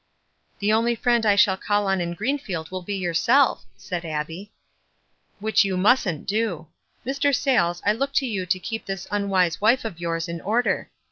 "The only friend I shall call on in Greenfield will be yourself," said Abbie. "Which you just mustn't do. Mr. Sayles, I look to you to keep this unwise wife of yours in order.